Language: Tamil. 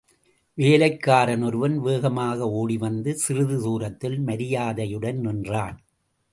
வேலைக்காரன் ஒருவன் வேகமாக ஓடி வந்து சிறிது தூரத்தில் மரியாதையுடன் நின்றான்.